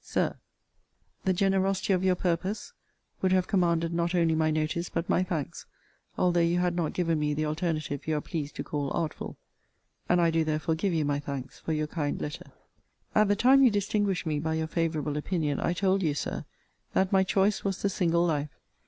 SIR, The generosity of your purpose would have commanded not only my notice, but my thanks, although you had not given me the alternative you are pleased to call artful. And I do therefore give you my thanks for your kind letter. At the time you distinguished me by your favourable opinion, I told you, Sir, that my choice was the single life.